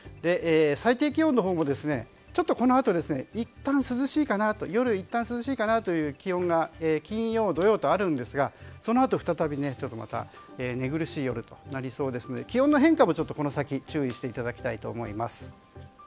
最低気温のほうも、このあと夜いったん涼しいかなという気温が金曜、土曜とあるんですがそのあと再び寝苦しい夜になりそうですので気温の変化もこの先、注意していただきたいと思います。